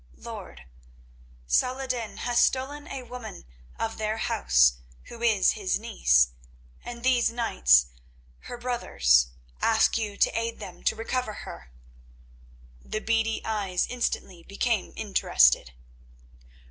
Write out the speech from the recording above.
"Lord, Salah ed din has stolen a woman of their house who is his niece, and these knights, her brothers, ask you to aid them to recover her." The beady eyes instantly became interested.